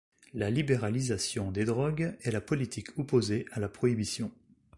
La libéralisation des drogues est la politique opposée à la prohibition.